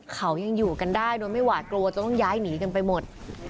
เขายังอยู่กันได้โดยไม่หวาดกลัวจนต้องย้ายหนีกันไปหมด